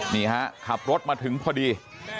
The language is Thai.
นี่ฮะขับรถมาถึงพอดี